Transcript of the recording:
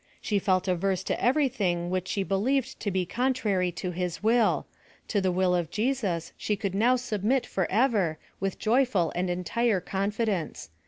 She felt averse to every thing which she believed to be contrary to his will. — To the will of Jesus she could now submit for ever, with joyful and entire confidence.